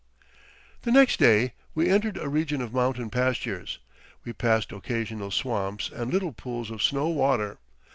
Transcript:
The next day we entered a region of mountain pastures. We passed occasional swamps and little pools of snow water.